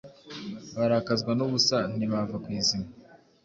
barakazwa n’ubusa, ntibava kw'izima